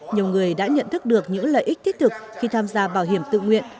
nhiều người đã nhận thức được những lợi ích thiết thực khi tham gia bảo hiểm tự nguyện